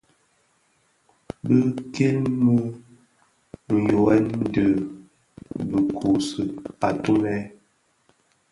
Bi kilmi nhyughèn dhi kibuusi atumè.